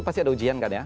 pasti ada ujian kan ya